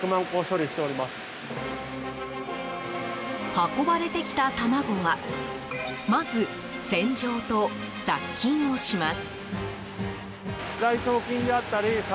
運ばれてきた卵はまず、洗浄と殺菌をします。